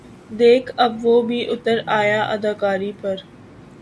دیکھ اب وہ بھی اُتر آیا اداکاری پر